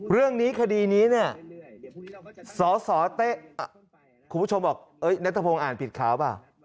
เรื่องนี้คดีนี้เนี่ยสตคุณผู้ชมบอกเน็ตทะพงอ่านผิดคราวป่ะ